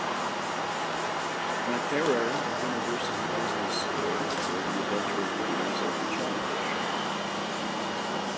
Makerere University Business School were the eventual winners of the challenge.